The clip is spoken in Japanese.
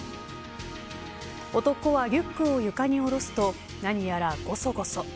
男は、リュックを床に下ろすと何やらごそごそ。